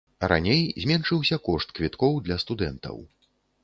Раней зменшыўся кошт квіткоў для студэнтаў.